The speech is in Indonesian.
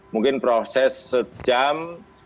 mungkin proses sejam